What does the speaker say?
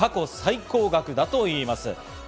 過去最高額だといいます。